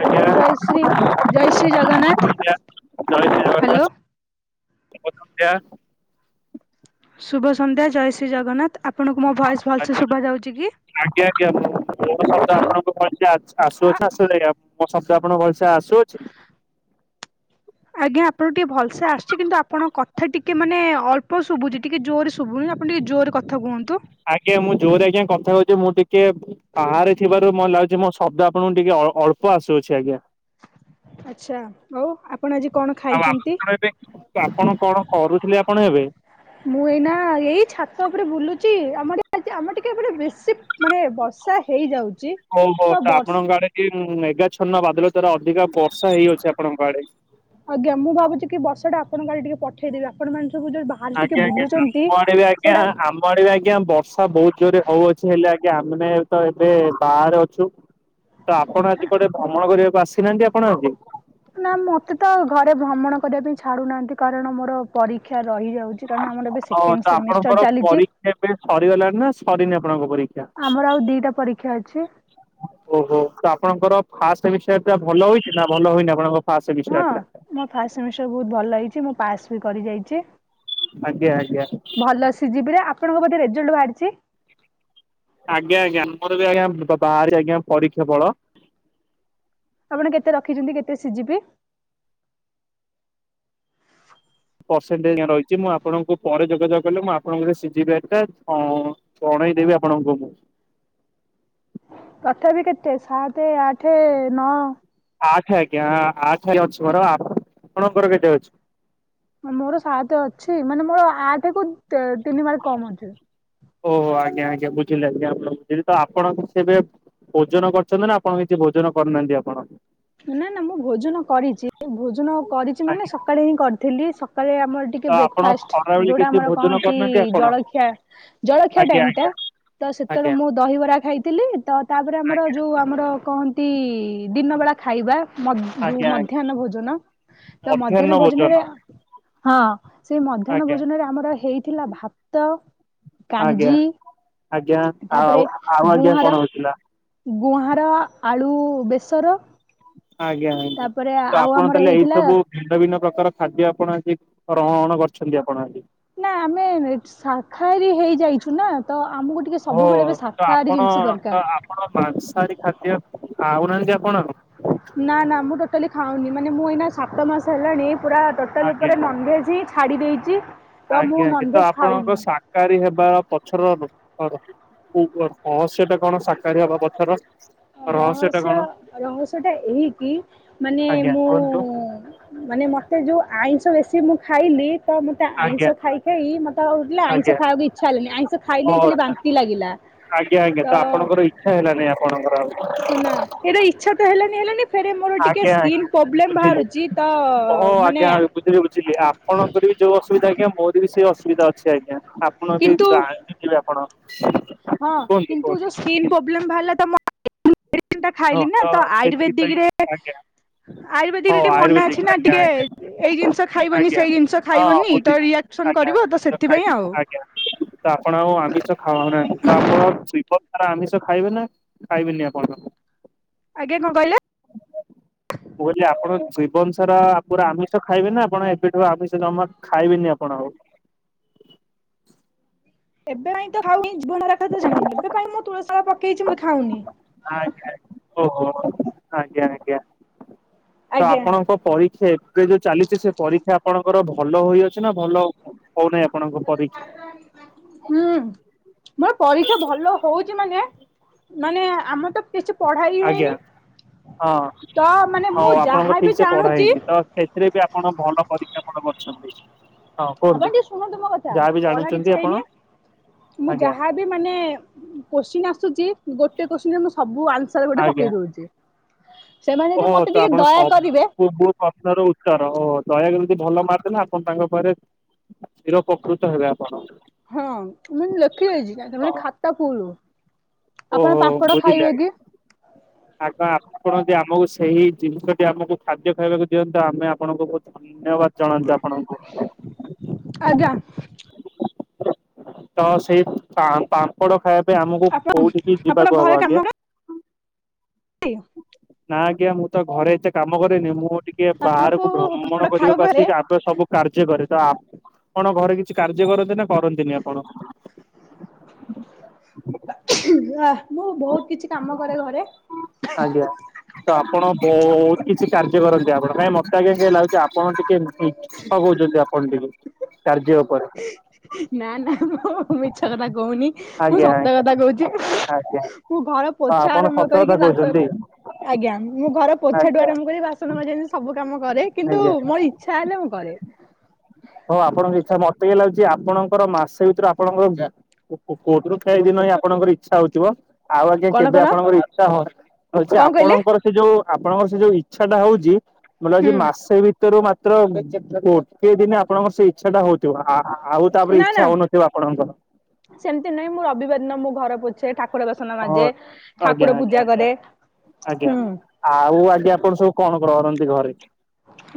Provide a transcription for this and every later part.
Hello ଜୟ ଶ୍ରୀ ଜୟ ଶ୍ରୀ ଜଗନ୍ନାଥ୍ ଆଜ୍ଞା ଆଜ୍ଞା ଜୟ ଶ୍ରୀ ଜଗନ୍ନାଥ ହାଲୋ। ଶୁଭ ସନ୍ଧ୍ୟା। ଶୁଭ ସନ୍ଧ୍ୟା ଜୟ ଶ୍ରୀ ଜଗନ୍ନାଥ୍ ଆପଣଙ୍କୁ ମୋ ଭଏସ୍ ଭଲ୍ ସେ ଶୁଭା ଯାଉଛି କି? ଆଜ୍ଞା ଆଜ୍ଞା ମୋର ଶବ୍ଦ ଆଉ ଆପଣଙ୍କୁ ଭଲସେ ଆସୁଅଛି ଆସୁ ନାହିଁ? ମୋ ଶବ୍ଦ ଆପଣଙ୍କୁ ଭଲ୍ ସେ ଆସୁଅଛି? ଆଜ୍ଞା ଆପଣ ଟିକେ ଭଲସେ ଆସୁଛି କିନ୍ତୁ ଆପଣ କ ଥା ଟିକେ ମାନେ ଅଳ୍ପ ଶୁଭୁଚି ଟିକେ ଜୋରେ ଶୁଭୁନି ଆପଣ ଟିକେ ଜୋରେ କଥା କୁହନ୍ତୁ? ଆଜ୍ଞା ମୁଁ ଜୋରେ ଆଜ୍ଞା କଥା ହୋଉଚି ମୁଁ ଟିକେ ବାହାରେ ଥିବାରୁ ମତେ ଲାଗୁଚି ମୋ ଶବ୍ଦ ଆ ଆପଣ ଟିକେ ଅ ଅଳ୍ପ ଆସୁଅଛି ଆଜ୍ଞା। ଆଛା ହଉ ଆପଣ ଆଜି କଣ ଆଉ ଖାଇଚନ୍ତି? ଆପଣ ଏବେ ଆପଣ କଣ କରୁଥିଲେ ଆପଣ ଏବେ? ମୁଁ ଏଇନା ଏଇ ଛାତ ଉପରେ ବୁଲୁଚି ଆମର ଏ ଆ ଆମର ଟିକେ ଏପଟେ ବେଶୀ ମାନେ ବର୍ଷା ହେଇଯାଉଚି ତ ବରର୍ଷ କି ଉଁ ମେଘାଛନ୍ନ ବାଦଲ ଦ୍ଵାରା ଅଧିକା ବର୍ଷା ହେଇଅଛି ଆପଣଙ୍କ ଆଡେ। ଆଜ୍ଞା ମୁ ଭାବୁଚି କି ବର୍ଷାଟା ଆପଣଙ୍କ ଆଡ଼େ ଟିକେ ପଠେଇଦେବି ଆପଣ ମାନେ ସବୁ ଯଉ ଭା ଆଜ୍ଞା ଆଜ୍ଞା ଆମ ଆଡ଼େ ବି ଆଜ୍ଞା ଆ ଆମ ଆଡ଼େ ବି ଆଜ୍ଞା ବର୍ଷା ବହୁତ୍ ଜୋରରେ ହଉଅଛି ହେଲେ ଆଜ୍ଞା ଆମେ ତ ଏବେ ବାହାରେ ଅଛୁ ତ ଆପଣ ଆଜି କୁଆଡ଼େ ଭ୍ରମଣ କରିବାକୁ ଆସିନାହାନ୍ତି ଆପଣ ଆଜି? ନା ମତେ ତ ଘରେ ଭ୍ରମଣ କରିବା ପାଇଁ ଛାଡୁନାହାନ୍ତି କାରଣ ମୋର ପରୀକ୍ଷା ରହିଯାଉଚି। ହଁ ତ ଆପଣଙ୍କର ପରୀକ୍ଷା ଏବେ ସରିଗଲାଣି ନା ସରିନି ଆପଣଙ୍କ ପରୀକ୍ଷା? ଆମର ଆଉ ଦିଟା ପରୀକ୍ଷା ଅଛି। ଓହୋ ତ ଆପଣଙ୍କର ଫାଷ୍ଟ୍ ସେମିଷ୍ଟାର୍ ଭଲ ହୋଇଚି ନା ଭଲ ହୋଇନି ଆପଣଙ୍କ ଫାଷ୍ଟ୍ ସେମିଷ୍ଟାର୍ ଟା? ଫାଷ୍ଟ୍ ସେମିଷ୍ଟାର୍ ବହୁତ୍ ଭଲ ହେଇଚି ମୁଁ ପାସ୍ ବି କରି ଯାଇଚି। ଆଜ୍ଞା ଆଜ୍ଞା ଭଲ ସି ଜି ପି ରେ ଆପଣଙ୍କ ବୋଧେ ରେଜଲ୍ଟ୍ ବାହାରିଚି? ଆଜ୍ଞା ଆଜ୍ଞା ଆମର ବି ଆଜ୍ଞା ବାହାରିଚି ଆଜ୍ଞା ପରୀକ୍ଷା ଫଳ ଆପଣ କେତେ ରଖିଛନ୍ତି କେତେ ସି ଜି ପି? ପରସେଣ୍ଟ ଆଜ୍ଞା ରହିଛି ମୁଁ ଆପଣଙ୍କୁ ପରେ ଯୋଗାଯୋଗ କଲେ ମୁଁ ଆପଣଙ୍କର ସି ଜି ବ୍ୟାଗ ଟା ଅଁ। ଜଣେଇ ଦେବି ଆପଣଙ୍କୁ ମୁଁ। ତଥାପି କେତେ ସାତ ଆଠ ନଅ। ଆଠ ଆଜ୍ଞା ଆଠ ରେ ଅଛି ମୋର ଆପଣଙ୍କର କେତେ ଅଛି। ମୋର ସାତ ଅଛି ମାନେ ମୋର ଆଠ କୁ ତିନି ମାର୍କ କମ ଅଛି। ଓହୋ ଆଜ୍ଞା ଆଜ୍ଞା ବୁଝିଲି ଆଜ୍ଞା ଆପଣଙ୍କ ବୁଝିଲି ତ ଆପଣଙ୍କୁ ସି ଏବେ ଭୋଜନ କରିଛନ୍ତି ନା ଆପଣ କିଛି ଭୋଜନ କରିନାହାନ୍ତି ଆପଣ। ନା ନା ମୁଁ ଭୋଜନ କରିଛି ଭୋଜନ କରିଛି ମାନେ ଆଜ୍ଞା ସକାଳେ ହିଁ କରିଥିଲି ସକାଳେ ଆମ‌ ଏ ତ ଟିକେ ଆପଣ ବ୍ରେକ୍ଫାଷ୍ଟ ଖରାବେଳେ ଯୋଉଟା କିଛି ଆମର ଭୋଜନ କହନ୍ତି କରିନାହାନ୍ତି ଆପଣ ଜଳଖିଆ ଜଳଖିଆ ଆଜ୍ଞା ଟାଇମ ଆଜ୍ଞା ଟା। ତ ଆଜ୍ଞା। ସେତେବେଳେ ମୁଁ ଦହିବରା ଖାଇଥିଲି ତ ତାପରେ ଆମର ଆଜ୍ଞା ଯୋଉ ଆ ଆମର କହନ୍ତି ଦିନବେଳା ଖାଇବା। ମ ଯୋଉ ଆଜ୍ଞା ଆଜ୍ଞା ମଧ୍ୟାହ୍ନ ଭୋଜନ ତ ମଧ୍ୟାହ୍ନ ଭୋଜନରେ ହଁ ସେଇ ମଧ୍ୟାହ୍ନ ଆଜ୍ଞା ଭୋଜନରେ ଆମର ହେଇଥିଲା ଭାତ ଆଜ୍ଞା। କାଞ୍ଜି। ଆଜ୍ଞା ତାପରେ ଆଉ ଆଉ ଆଜ୍ଞା ଗୁହାଁର କଣ ହୋଉଥିଲା। ଗୁହାଁର ଆଳୁ ବେସର। ଆଜ୍ଞା ଆଜ୍ଞା ତାପରେ ତ ଆଉ ଆପଣ ଆମର ତାହେଲେ ଏଇ ହେଇଥିଲା ସବୁ। ଭିନ୍ନ ଭିନ୍ନ ପ୍ରକାର ଖାଦ୍ୟ ଆପଣ ଆଜି ଗ୍ରହଣ କରିଛନ୍ତି ଆପଣ ଆଜି। ନା ଆମେ ଶାଖାହାରୀ ହେଇଯାଇଛୁ ନା ତ ଆମକୁ ଟି ଓ ତ ଆପଣ ତ ଆପଣ ମାଂସାହାରୀ ଖାଦ୍ୟ ଖାଉନାହାନ୍ତି ଆପଣ। ନା ନା ମୁଁ ଟୋଟାଲି ଖାଉନି ମାନେ ମୁଁ ଏଇନା ସାତ ମାସ ହେଲାଣି ପୁରା ଟୋଟାଲ ଆଜ୍ଞା ଉପରେ ନନ୍ଭେଜ୍ ହିଁ। ଛାଡ଼ି ଦେଇଛି। ତ ମୁଁ ଆଜ୍ଞା ଆଜ୍ଞା ତ ନନଭେଜ ଆପଣଙ୍କ ଖାଉନି। ସା ସାକାହାରୀ ହେବା ପଛର ର ଅ ର ଉ ରହସ୍ୟ ଟା କଣ ସା ରହସ୍ୟ କଣ? ରହସ୍ୟ ଟା ଏହିକି। ମାନେ ଆଜ୍ଞା ମୁଁ କୁହନ୍ତୁ ମାନେ ମତେ ଯୋଉ ଆଇଁଷ ବେଶୀ ମୁଁ ଖାଇଲି। ତ ମତେ ଆଜ୍ଞା ଆଇଁଷ ଖାଇ ଖାଇ ମତେ ଆଉ ଏତେ ଆଜ୍ଞା ଆଇଁଷ ଖାଇବାକୁ ଇଚ୍ଛା ହେଲେଣିି ଆଇଁଷ ଓ ଖାଇଲେ ହିଁ ଖାଲି ବାନ୍ତି ଲାଗିଲା। ଆଜ୍ଞା ଆଜ୍ଞା ତ ଆପଣଙ୍କର ଇଚ୍ଛା ହେଲାନି ଆପଣଙ୍କର ହଁ ଆଉ। ନା ସେଇଟା ଇଚ୍ଛା ତ ହେଲାନି ହେଲାନି। ଫେରେ ମୋର ଟିକେ ଆଜ୍ଞା ସ୍କିନ୍ ଆଜ୍ଞା ପ୍ରୋବ୍ଲେମ ବୁଝିଲି ବାହାରୁଛି ତ ଓ ହୋ ମାନେ ଆଜ୍ଞା ବୁଝିଲି ବୁଝିଲି ଆ ଆପଣଙ୍କର ବି ଯୋଉ ଅସୁବିଧା ଆଜ୍ଞା ମୋର ବି ସେଇ ଅସୁବିଧା ଅଛି ଆଜ୍ଞା ଆପଣ ବି କିନ୍ତୁ ଆଁ ଯିବେ ଆପଣ। ହଁ କୁହନ୍ତୁ କିନ୍ତୁ ଯୋଉ କୁହନ୍ତୁ। ସ୍କିନ ପ୍ରୋବ୍ଲେମ ବାହାରିଲ ତ ମୋ ମେଡିସିନ ଟା ହଉ ଖାଇଲି ନା ତ ସେଥିପାଇଁ ଆୟୁର୍ବେଦିକରେ। ଆଜ୍ଞା ଆୟୁର୍ବେଦିକରେ ହଉ ଟିକେ ମନା ଅଛି ଆୟୁର୍ବେଦିକ ନା ଆଜ୍ଞା ଟିକେ ଆଜ୍ଞା ଏଇ ଜିନିଷ ଖାଇବନି ଆଜ୍ଞା ସେଇ ଜିନିଷ ହଁ ଖାଇବନି ତ ବୁଝିଛି ରିଆ ଆଜ୍ଞା [inaudible] ଖାଇଲି ଆଜ୍ଞା ତ ଆପଣ ଆଉ ଆମିଷ ଖା ଖାଉ ନାହାନ୍ତି ତ ଆପଣ ଜିବନ ସାରା ଆମିଷ ଖାଇବେ ନା ଖାଇବେନି ଆପଣ। ଆଜ୍ଞା କଁ କହିଲେ? ମୁଁ କହିଲି ଆପଣ ଜୀବନ ସାରା ପୁରା ଆମିଷ ଖାଇବେ ନା ଆପଣ ଏବେଠୁ ଆମିଷ ଜମା ଖାଇବେନି ଆପଣ ଆଉ। ଏବେ ପାଇଁ ତ ଖାଉିନି ଜିବନ ସାରା କଥା ଜାଣିନି ଏବେ ପାଇଁ ମୁଁ ତୁଳସି ମାଳା ପକେଇଛି ମୁ ଖାଉନି। ଆଜ୍ଞା ଓ ହୋ ଆଜ୍ଞା ଆଜ୍ଞା ତ ଆଜ୍ଞା ଆପଣଙ୍କ। ପରୀକ୍ଷା ଏବେ ଯୋଉ ଚାଲିଛି ସେ ପରୀକ୍ଷା ଆପଣଙ୍କର ଭଲ ହୋଇଅଛି ନା ଭଲ ହଉନେହିଁ ଆପଣଙ୍କ ପରୀକ୍ଷ ହୁଁ ମୋର ପରୀକ୍ଷା ଭଲ ହଉଛି ମାନେ। ମାନେ ଆମେ ତ କିଛି ପଢା ହି ଆଜ୍ଞା ହେଇନି ହଁ ତ ମାନେ ହଉ ମୁଁ ଆପଣଙ୍କ ଯାହା ଠିକ ବି ସେ ପଢା ଜାଣୁଚି ହେଇନି ତ ସେଥିରେ ବି ଆପଣ ଭଲ ପରୀକ୍ଷା ଫଳ କରିଛନ୍ତି। ହଁ ଆପଣ କୁହନ୍ତୁ ଟିକେ ଶୁଣନ୍ତୁ ମୋ କଥା ଯାହା ବି ପଢା କିଛି ଜାଣୁଛନ୍ତି ହେଇନି ଆପଣ ମୁଁ ଆଜ୍ଞା ଯାହା ବି ମାନେ କୋଶ୍ଚିନ୍ ଆସୁଚି ଗୋଟେ କୋଶ୍ଚିନ୍ ରେ ମୁଁ ସବୁ ଆନ୍ସର୍ ଗୋଟେ ଆଜ୍ଞା ପକେଇ ଦଉଚି। ସେମାନେ ଯଦି ମତେ ଟିକେ ଦୟା କରିବେ ସ୍ୱପ୍ନର ଉତ୍ତର ଓ ଦୟାକ [unintelligible] ଯଦି ଭଲ ମାର୍କ ଦେଲେ ଆପଣ ତାଙ୍କ ପାରେ ଚିର ଉପକୃତ ହେବେ ଆପଣ। ହଁ ମୁଁ ଲେଖି ଦେଇଚି [unintelligible] ମାନେ ହଁ ଖାତା ଫୁଲୁ। ଆପଣ ଓହୋ ପାମ୍ପଡ଼ ବୁଝିଲି ଖାଇବେ ଆଜ୍ଞା। କି? ଆଗ ଆପଣ ଯଦି ଆମକୁ ସେଇ ଜିନିଷଟି ଆମକୁ ଖାଦ୍ୟ ଖାଇବାକୁ ଦିଅ [unintelligible] ଆମେ ଆପଣଙ୍କୁ ବହୁତ୍ ଇନବାଦ୍ ଜାଣନ୍ତୁ ଆପଣଙ୍କୁ। ଆଜ୍ଞା। ତ ସେଇ ପାଁ ପାମ୍- ପଡ ଖାଇଆ ପାଇଁ ଆମକୁ ଆପଣ କୋଉଠି କି ଆପଣ ଯିବାକୁ ହବ ଘରେ କାମ ଆଜ୍ଞା? [unintelligible] ନା ଆଜ୍ଞା ମୁଁ ତ ଘରେ ଏତେ କାମ କରେନି ମୁଁ ଟିକେ ଆପଣଙ୍କୁ ବାହାରକୁ ପାମ୍ପଡ଼ ଭ୍ରମଣ ଖାଇବାକୁ କରିଆକୁ ହେଲେ ଆସି [unintelligible] ତ ସବୁ କାର୍ଯ୍ୟ କରେ ତ ଆପଣ ଘରେ କିଛି କାର୍ଯ୍ୟ କରନ୍ତି ନା କରନ୍ତିନି ଆପଣ? [unintelligible] ମୁଁ ବହୁତ୍ କିଛି କାମ କରେ ଘରେ ଆଜ୍ଞା ତ ଆପଣ ବୋ [unintelligible] କିଛି କାର୍ଯ୍ୟ କରନ୍ତି ଆପଣ କାଇଁ ମତେ ଆଜ୍ଞା [unintelligible] ଲାଗୁଚି ଆପଣ ଟିକେ ମିଛ କଉଚନ୍ତି ଆପଣ ଟିକେ। କାର୍ଯ୍ୟ ଉପରେ। ନା ନା ମୁଁ ମିଛ କଥା କହୁନି ମୁଁ ଆଜ୍ଞା ସତ ଆଜ୍ଞା କଥା କହୁଚି। ଆଜ୍ଞା। ମୁଁ ଘର ହଁ ପୋଛା ଆପଣ ଆରମ୍ଭ ସତ କଥା କରିକି ବାସନ୍ କହୁଛନ୍ତି ଆଜ୍ଞା ମୁଁ ଘର ପୋଛାଠୁ ଆଜ୍ଞା ଆରମ୍ଭ କରି ବାସନ୍ ମାଜି [unintelligible] ଯାଏଁ ସବୁ କାମ କରେ କିନ୍ତୁ ଆଜ୍ଞା। ମୋର ଇଚ୍ଛା ହେଲେ ମୁଁ କରେ। ହଁ ଆପଣଙ୍କ ଇଚ୍ଛା ମତେ ଇ ଲାଗୁଚି ଆପଣଙ୍କର ମାସେ ଭିତରେ ଆପଣଙ୍କର ଗାଁ [unintelligible] ଆପଣଙ୍କର ଇଚ୍ଛା ହଉଥିବ। ଆଉ ଆଜ୍ଞା କଣ କେବେ କଣ ଆପଣଙ୍କର ଇଚ୍ଛା ହ ହଉଚି କଣ କହିଲେ ଆପଣଙ୍କର ସେ ଯୋଉ ଆପଣଙ୍କ ସେ ଯୋଉ ଇଚ୍ଛା ଟା ହଉଚି ମ [unintelligible] ହୁଁ ଲାଗୁଚି ମାସେ ଭି ତରୁ ମାତ୍ର ଗୋଟେ ଦିନି ଆପଣଙ୍କର ସେ ଇଚ୍ଛା ଟା ହଉଥିବ ଆ-ଆ ଆଉ ତାପରେ ଇଚ୍ଛା ହଉନଥିବ ଆପଣଙ୍କର। ସେମ୍ତି ନାଇଁ ମୁଁ ରବିବାର ଦିନ ମୋ ଘର ପୋ ଛେ ଠାକୁର ବାସନ ହଁ ମାଜେ ଆଜ୍ଞା ଠାକୁର ଆଜ୍ଞା ପୂଜା ଆଜ୍ଞା କରେ ଆଜ୍ଞା ହୁଁ। ଆଉ ଆଜ୍ଞା ଆପଣ ସବୁ କଣ [unintelligible] କରନ୍ତି ଘରେ?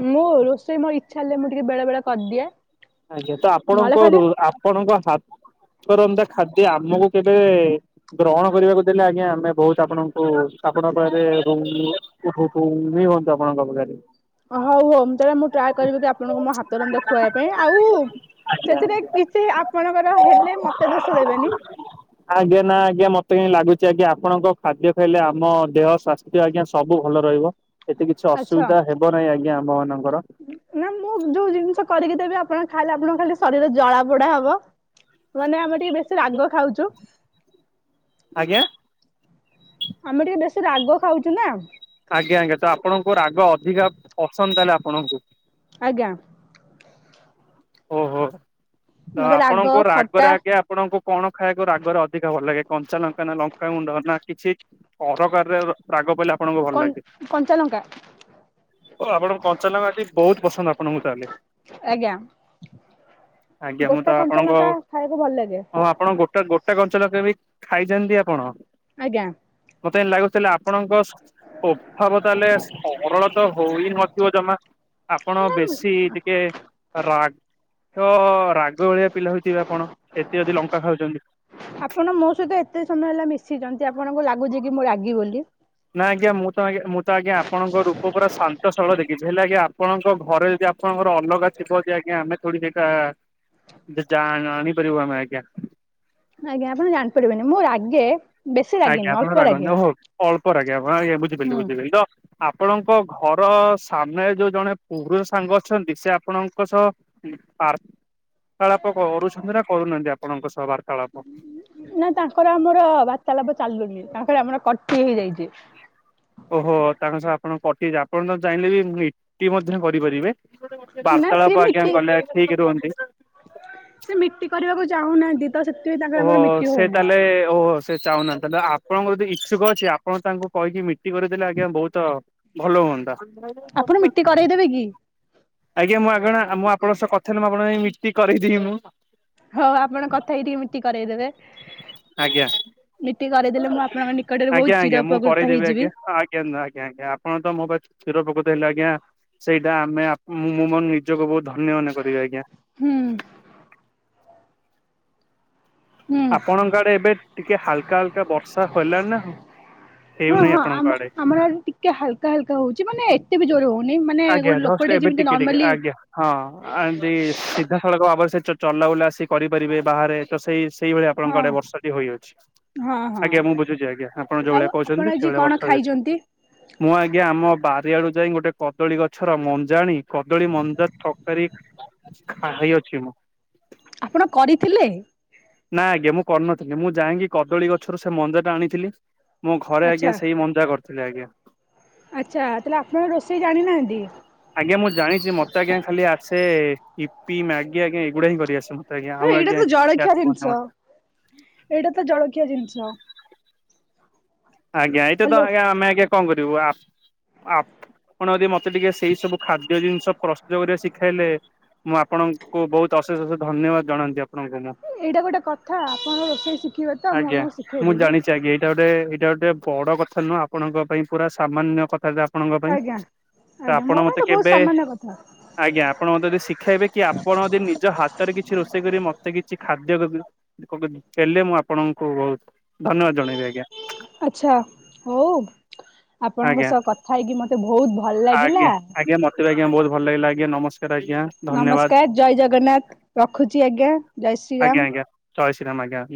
ମୁଁ ରୋଷେଇ ମୋ ଇଚ୍ଛା ହେଲେ ମୁଁ ଟିକେ ବେଳେ ବେଳେ କର୍ ଦିଏ। ଆଜ୍ଞା ତ ଆପଣଙ୍କ ରୋ ଆପଣଙ୍କ ହାତ ରନ୍ଧା ଖାଦ୍ୟ ଆମକୁ କେବେ ଗ୍ରହଣ କରିବାକୁ ଦେଲେ ଆଜ୍ଞା ଆମେ ବହୁତ୍ ଆପଣଙ୍କୁ ଆପଣଙ୍କ ପାଖରେ ରୁ [unintelligible] ଅ ହଉ ହଉ ମୁଁ ତାହେଲେ ମୁଁ ଟ୍ରାଏ କରିବି କି ଆପଣଙ୍କୁ ମୋ ହାତ ରନ୍ଧା ଖୁଆଇଆ ପାଇଁ ଆଉ ଆଜ୍ଞା ସେଥିରେ ଆଜ୍ଞା କିଛି ଆପଣଙ୍କର ହେଲେ ମତେ ଦୋଷ ଦେବେନି। ଆଜ୍ଞା ନା ଆଜ୍ଞା ମତେ କାଇଁ ଲାଗୁଚି ଆଜ୍ଞା ଆପଣଙ୍କ ଖାଦ୍ୟ ଖାଇଲେ ଆମ ଦେହ ସ୍ବାସ୍ [unintelligible] ଆଜ୍ଞା ସବୁ ଭଲ ରହିବ ଏତେ କିଛି ଆଚ୍ଛା। ଅସୁବିଧା ହେବ ନାଇଁ ଆଜ୍ଞା ଆମ ମାନଙ୍କର। ନା ମୁଁ ଯୋଉ ଜିନିଷ କରିକି ଦେବି ଆପଣ ଖାଇଲେ ଆପଣଙ୍କ ଖାଲି ଶରୀର ଜଳା ପୋଡା ହବ। ମାନେ ଆମେ ଟିକେ ବେଶୀ ରାଗ ଖାଉଚୁ। ଆଜ୍ଞା। ଆମେ ଟିକେ ବେଶୀ ରାଗ ଖାଉଚୁ ନା। ଆଜ୍ଞା, ଆଜ୍ଞା ତ ଆପଣଙ୍କୁ ରାଗ ଅଧିକା ପସନ୍ଦ, ତାହେଲେ ଆପଣଙ୍କୁ। ଆଜ୍ଞା। ଓହୋ ତ, ମତେ ରାଗ ଆପଣଙ୍କ ରାଗରେ ଖଟା ଆଜ୍ଞା ଆପଣଙ୍କୁ କଣ ଖାଇବାକୁ ରାଗରେ ଅଧିକ ଭଲ ଲାଗେ, କଞ୍ଚା ଲଙ୍କା, ନା ଲଙ୍କାାଗୁଣ୍ଡ, ନା କିଛି? ଅରକାରରେ ରାଗ ପ [unintelligible] କଣ କଞ୍ଚାଲଙ୍କା। ଓ, ଆପଣଙ୍କ କଞ୍ଚାଲଙ୍କା ଟି ବହୁତ ପସନ୍ଦ ଆପଣଙ୍କୁ, ତାହେଲେ! ଆଜ୍ଞା, ଆଜ୍ଞା ମୁଁ ତ ଗୋଟା ଆପଣଙ୍କ କଞ୍ଚାଲଙ୍କା ଖାଇବାକୁ ଭଲ ଲାଗେ। ହଁ ଆପଣ ଗୋଟା କଞ୍ଚାଲଙ୍କା ଲୋକେ ବି ଖାଇଛନ୍ତି ଆପଣ। ଆଜ୍ଞା। ମତେ ଲାଗୁଥିଲା ଆପଣଙ୍କ ଅଭାବ ତାହେଲେ ସରଳ ତ ହଇ ନଥିବ ଜମା। ଆପଣ ନା ବେଶୀ ଟିକେ ରାଗ ତ ରାଗ ଭଳିଆ ପିଲା ହେଉଥବା ଆପଣ, ଏତେ ଯଦି ଲଙ୍କା ଖାଉଛନ୍ତି! ଆପଣ ମୋ ସହିତ ଏତେ ସମୟ ହେଲା ମିଶିଛନ୍ତି, ଆପଣଙ୍କୁ ଲାଗୁଛି -କି ମୁଁ ରାଗି ବୋଲି? ନା ଆଜ୍ଞା, ମୁଁ ତ ମୁଁ ତ ଆଜ୍ଞା ଆପଣଙ୍କ ରୂପ ପୁରା ଶାନ୍ତସ୍ଥଳ ଦେଖିଛି। ହେଲେ ଆଜ୍ଞା, ଆପଣଙ୍କ ଘରେ ଯଦି ଆପଣଙ୍କର ର ଅଲଗା ଥିବ ଯେ, ଆଜ୍ଞା! ଆମେ ଥୋଡି ସେଇଟା ଯା ଆଣିପାରିବୁ ଆମେ, ଆଜ୍ଞା। ଆଜ୍ଞା, ଆପଣ ଜାଣିପାରିବେନି ମୁଁ ରାଗେ। ବେଶୀ ରାଗେନି ଆଜ୍ଞା, ଆପଣ ଅଳ୍ପ ରାଗେ ରାଗନ୍ତୁ, ହଉ ଅଳ୍ପ ରାଗ। ଆଜ୍ଞା, ବୁଝିପାରିଲି ହୁଁ ବୁଝିପାରିଲ ତ! ଆପଣଙ୍କ ଘର ସାମ୍ନାରେ ଯୋଉ ଜଣେ ପୁରୁ ସାଙ୍ଗ ଅଛନ୍ତି, ସେ ଆପଣଙ୍କ ସହ [inaudible] କରୁଛନ୍ତି ନା କରୁନାହାନ୍ତି ଆପଣଙ୍କ ସହ ବାର୍ତ୍ତାଳାପ? ନା, ତାଙ୍କର ଆମର ବାର୍ତ୍ତାଳାପ ଚାଲୁନି। ତାଙ୍କର ଆମର କଟି ହେଇଯାଇଛି। ଓହୋ, ତାଙ୍କ ସହ ଆପଣ କଟି ଯାଇଛି! ଆପଣ ତ ଜାଣିଲେ ବି, ମୁ [unintelligible] କରିପାରିବେ ନା ସିଏ ବାର୍ତ୍ତାଳାପ ଆଜ୍ଞା, ମିଟି ଗଲେ ଠିକ୍ ରୁହନ୍ତି। ସେ ମିଟି କରିବାକୁ ଚାହୁଁନାହାନ୍ତି। [unintelligible] ଓହୋ, ସେ ହଉନି। ତାହେଲେ ଓହୋ ସେ ଚାହୁନାହାନ୍ତି? ତାହେଲେ ଆପଣଙ୍କର ଯ ଇଚ୍ଛୁକ ଅଛି, ଆପଣ ତାଙ୍କୁ କହିକି ମିଟି କରିଦେଲେ ଆଜ୍ଞା, ବହୁତ ଭଲ ହୁଅନ୍ତା। [inaudible] ଆପଣ ମିଟି କରେଇଦେବେ କି? ଆଜ୍ଞା, ମୁଁ ଆଗଣା ମୁଁ ଆପଣଙ୍କ ସହ କଥା ନ, ମୁଁ ଆପଣ ମିଟି କରିଦେବି ମୁଁ। ହଉ, ଆପଣ କଥା ହେଇକି ମିଟି କରଇଦେବେ? ଆଜ୍ଞା। ଆପଣଙ୍କ ନିକଟରେ ବହୁତ ଆଜ୍ଞା ଚିର ଆଜ୍ଞା, ମୁଁ ଉପକୃତ କରେଇଦେବି ହେଇଯିବି। ଆଜ୍ଞା ଆଜ୍ଞା ଆଜ୍ଞା ଆ [unintelligible] ଆଜ୍ଞା। ସେଇଟା ଆମେ ମୁଁ ମ ନିଜକୁ ବହୁତ ଧନ୍ୟ ମନେ କରିବେ, ଆଜ୍ଞା। ହୁଁ। ହୁଁ। ଆପଣଙ୍କ ଆଡେ ଏବେ ଟିକେ ହାଲକା ହାଲକା ବର୍ଷା ହେଲାଣି ନା, ହଁ ହଁ ହେଉନାହିଁ ଆମ ଆପଣଙ୍କ ଆଡେ? ଆମର ଆ ଟିକେ ହାଲକା ହାଲକା ହଉଛି। ମାନେ, ଏତ ବି ଜୋର ହଉନି, ମାନେ ଆଜ୍ଞା ଗୋଟେ ଜଷ୍ଟ ଲୋକଟେ ଏବେ ଯେମିତି ଟିକେ ଟିକେ ନର୍ମାଲି ଆଜ୍ଞା ହଁ, ଏମିତି ସିଧାସଳଖ ଭାବରେ ସେ ଚଲାବୁଲା ସେ କରିପାରିବେ ବାହାରେ। ତ ସେଇ ସେଇଭଳିଆ ହଁ ଆପଣଙ୍କ ଆଡେ ବର୍ଷାଟି ହୋଇ ଅଛି। ହଁ ହଁ। ଆଜ୍ଞା, ମୁଁ ବୁଝୁଛି। ଆଜ୍ଞା ଆପଣ ଯୋଉ ଆଉ ଭଳିଆ ଆପଣ କହୁଛନ୍ତି, ଆଜି ସେଇଭଳିଆ କଣ ବର୍ଷା ହେଇଛି। ଖାଇଛନ୍ତି? ମୁଁ ଆଜ୍ଞା, ଆମ ବାରିଆଡୁ ଯାଇ ଗୋଟେ କଦଳୀ ଗଛର ମଞ୍ଜାଣିୀ କଦଳୀ ମଞ୍ଜା ତରକାରୀ ଖାଇଅଛି ମୁଁ। ଆପଣ କରିଥିଲେ? ନାଁ ଆଜ୍ଞା, ମୁଁ କରିନଥିଲି। ମୁଁ ଯାଇକି କଦଳୀ ଗଛରୁ ସେ ମଞ୍ଜା ଟା ଆଣିଥିଲି। ମୁଁ ଘରେ ଆଚ୍ଛା ଆଜ୍ଞା ସେଇ ମଞ୍ଜା କରିଥିଲି ଆଜ୍ଞା। ଆଚ୍ଛା ତାହେଲେ ଆପଣଙ୍କ ରୋଷେଇ ଜାଣିନାହାଁନ୍ତି? ଆଜ୍ଞା ମୁଁ ଜାଣିଛି ମତେ ଆଜ୍ଞା ଖାଲି ଆସେ-ଏ-ଏ ଇପି, ମ୍ୟାଗି ଆଜ୍ଞା ଏଗୁଡା ହିଁ କରି ଆସେ ମୁଁ [inaudible] ଆଜ୍ଞା ଆଉ ଏଇଟା ଆଜ୍ଞା ତ ଜଳଖିଆ ଜିନିଷ [inaudible] ଏଇଟା ତ ଜଳଖିଆ ଜିନିଷ। ଆଜ୍ଞା ଏଇଟା ତ ହ୍ୟାଲୋ। ଆଜ୍ଞା ଆମେ ଆଜ୍ଞା କଣ କରିବୁ ଆପ୍-ଆପ୍ ଆପଣ ଯଦି ମତେ ଟିକେ ସେଇ ସବୁ ଖାଦ୍ୟ ଜିନିଷ ପ୍ରସ୍ତୁତ କରିବା ଶିଖାଇଲେ ମୁଁ ଆପଣଙ୍କ୍ ଙ୍କୁ ବହୁତ ଅଶେଷ ଅଶେଷ ଧନ୍ୟବାଦ ଜଣାନ୍ତି ଆପଣଙ୍କୁ ମୁଁ। ଏଇଟା ଗୋଟେ କଥା ଆପଣ ରୋଷେଇ ଶିଖିବେ ତ ମୁଁ ଆଜ୍ଞା। ଆପଣଙ୍କୁ ଶିଖେଇ ମୁଁ ଦେବି। ଜାଣିଛି ଆଜ୍ଞା ଏଇଟା ଗୋଟେ-ଏଇଟା ଗୋଟେ ବଡ କଥା ନୁହଁ ଆପଣଙ୍କ ପାଇଁ ପୁରା ସାମାନ୍ୟ କଥାଟା। ଆପଣଙ୍କ ପାଇଁ, ଆଜ୍ଞା। ତ ଆଜ୍ଞା ଆପଣ ମୋ ପାଇଁ ମତେ ତ ବହୁତ କେବେ ସାମାନ୍ୟ କଥା ଆଜ୍ଞା ଆପଣ ମତେ ଯଦି ଶିଖେଇବେ କି ଆପଣ ଯଦି ନିଜ ହାତରେ କିଛି ରୋଷେଇ କରି ମତେ କିଛି ଖାଦ୍ୟ [inaudible] [inaudible] ହେଲେ ମୁଁ ଆପଣଙ୍କୁ ବହୁତ ଧନ୍ୟବାଦ ଜଣେଇବି ଆଜ୍ଞା। ଆଚ୍ଛା, ହଉ ଆପଣଙ୍କ ଆଜ୍ଞା ସହ କଥା ହେଇକି ମତେ ବହୁତ୍ ଭଲ ଲାଗିଲା। ଆଜ୍ଞା [inaudible] ଆଜ୍ଞା ବହୁତ ଭଲ ଲାଗିଲା ଆଜ୍ଞା ନମସ୍କାର ଆଜ୍ଞା। ଧନ୍ୟବାଦ। ନମସ୍କାର ଜୟ ଜଗନ୍ନାଥ ରଖୁଛି ଆଜ୍ଞା ଜୟ ଆଜ୍ଞା ଶ୍ରୀରାମ। ଆଜ୍ଞା ଜୟ ଶ୍ରୀରାମ ଆଜ୍ଞା।